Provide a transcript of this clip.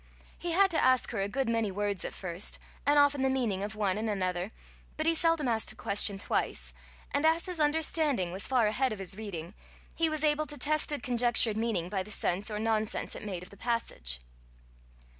He had to ask her a good many words at first, and often the meaning of one and another; but he seldom asked a question twice; and as his understanding was far ahead of his reading, he was able to test a conjectured meaning by the sense or nonsense it made of the passage.